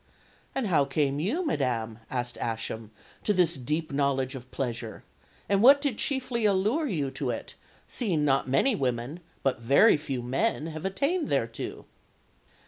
"And how came you, Madame," asked Ascham, "to this deep knowledge of pleasure, and what did chiefly allure you to it, seeing not many women, but very few men, have attained thereto?"